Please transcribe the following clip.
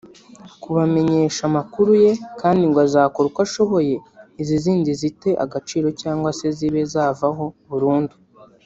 kubamenyesha amakuru ye kandi ngo azakora uko ashoboye izi zindi zite agaciro cyangwase zibe zavaho burundu